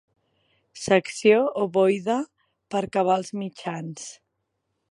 Secció ovoide, per cabals mitjans.